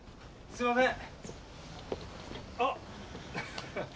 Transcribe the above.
すいません。